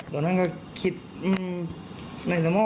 ก็นี่ไงครับ